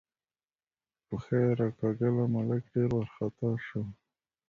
پښه یې راکاږله، ملک ډېر وارخطا شو.